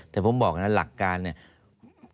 แต่ผมบอกนะหลักการเนี่ย